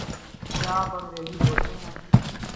کیا آپ انگریزی بولتے ہیں؟